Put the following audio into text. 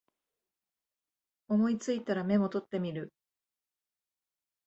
思いついたらメモ取ってみる